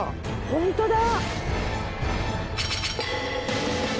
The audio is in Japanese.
ホントだ！